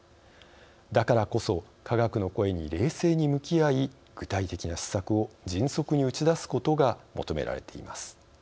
だからこそ、科学の声に冷静に向き合い、具体的な施策を迅速に打ち出すことが求められています。